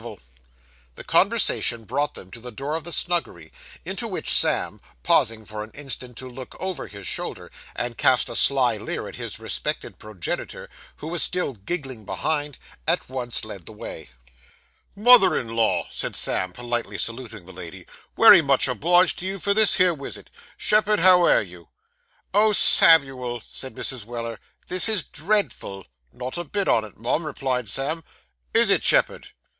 This conversation brought them to the door of the snuggery, into which Sam pausing for an instant to look over his shoulder, and cast a sly leer at his respected progenitor, who was still giggling behind at once led the way. 'Mother in law,' said Sam, politely saluting the lady, 'wery much obliged to you for this here wisit. Shepherd, how air you?' 'Oh, Samuel!' said Mrs. Weller. 'This is dreadful.' 'Not a bit on it, mum,' replied Sam. 'Is it, shepherd?